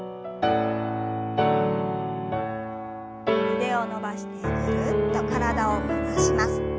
腕を伸ばしてぐるっと体を回します。